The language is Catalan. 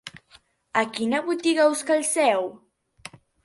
A quina botiga us calceu?